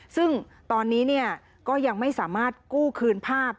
ซึ่งตอนนี้ก็ยังไม่สามารถกู้คืนภาพ